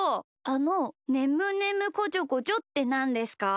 あの「ねむねむこちょこちょ」ってなんですか？